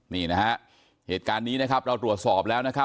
นี่นะฮะเหตุการณ์นี้นะครับเราตรวจสอบแล้วนะครับ